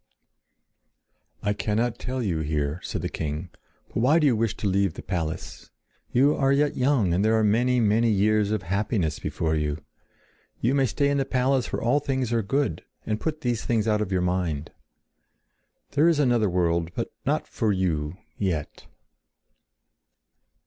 "I cannot tell you here," said the king. "But why do you wish to leave the palace? You are yet young and there are many, many years of happiness before you. You may stay in the palace where all things are good, and put these things out of mind. There is another world, but not for you—yet!"